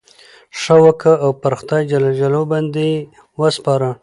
ښه وکه! او پر خدای جل جلاله باندي ئې وسپاره.